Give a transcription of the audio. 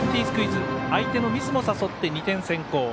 スクイズ相手のミスも誘って、２点先行。